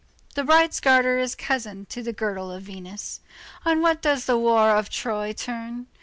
The bride's garter is cousin to the girdle of Venus. On what does the war of Troy turn?